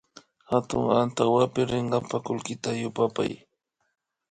Hatun antawapi rinkapa kullkita yupapay